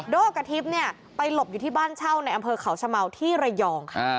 กับทิพย์ไปหลบอยู่ที่บ้านเช่าในอำเภอเขาชะเมาที่ระยองค่ะ